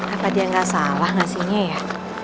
apa dia nggak salah ngasihnya ya